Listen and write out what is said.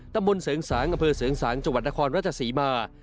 ตำบลเสริงสางอำเภอเสริงสางจังหวัดนครราชศรีมา